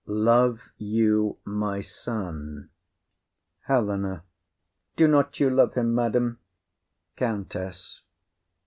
Love you my son? HELENA. Do not you love him, madam? COUNTESS.